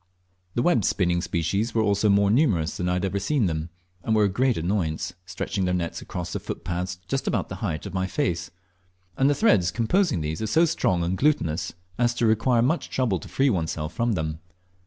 The web spinning species were also more numerous than I had ever seen them, and were a great annoyance, stretching their nets across the footpaths just about the height of my face; and the threads composing these are so strong and glutinous as to require much trouble to free oneself from them.